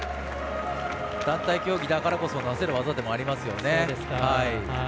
団体競技だからこそのなせる業でもありますよね。